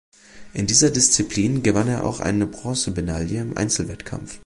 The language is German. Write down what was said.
In dieser Disziplin gewann er auch eine Bronzemedaille im Einzelwettkampf.